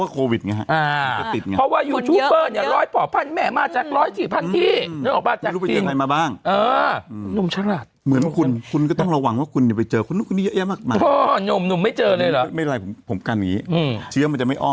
โควิด๑๙นะครับเพราะอะไรเพราะอะไร